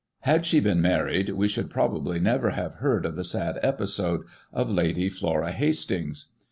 Had she been married, we should, probably, have never heard of the sad episode of Lady Flora Hastings.